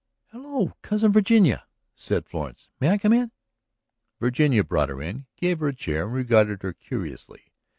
"Hello, Cousin Virginia," said Florence. "May I come in?" Virginia brought her in, gave her a chair and regarded her curiously.